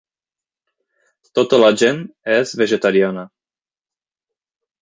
Tota la gent és vegetariana.